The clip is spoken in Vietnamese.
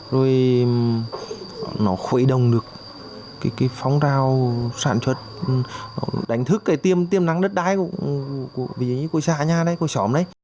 rồi nó khuấy đồng được cái phong rào sản xuất đánh thức cái tiêm nắng đất đai của quốc gia nhà này của xóm này